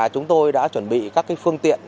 chúng tôi đã chuẩn bị các phương tiện